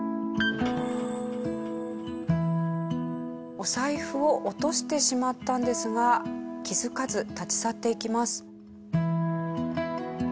お財布を落としてしまったんですが気づかず立ち去っていきます。